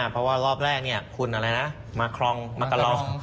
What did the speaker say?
เพราะว่ารอบแรกคุณอะไรนะมาครองมากะล็อก